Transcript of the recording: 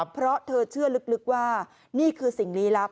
เพราะเธอเชื่อลึกว่านี่คือสิ่งลี้ลับ